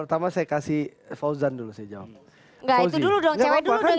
pertama saya kasih fauzan dulu saya jawab